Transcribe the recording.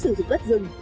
sử dụng đất rừng